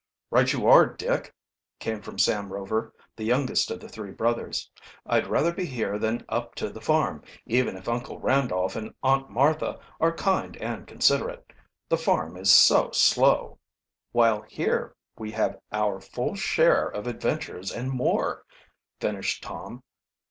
"Right you are, Dick," came from Sam Rover, the youngest of the three brothers. "I'd rather be here than up to the farm, even if Uncle Randolph and Aunt Martha are kind and considerate. The farm is so slow " "While here we have our full share of adventures and more," finished Tom.